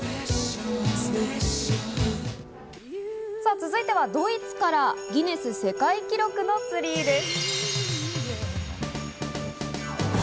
続いてはドイツからギネス世界記録のツリーです。